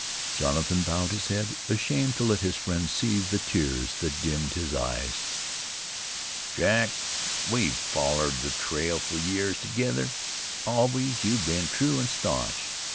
Jonathan bowed his head, ashamed to let his friend see the tears that dimmed his eyes. "Jack, we've follered the trail fer years together. Always you've been true an' staunch.